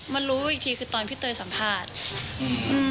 รู้อีกทีคือตอนพี่เตยสัมภาษณ์อืม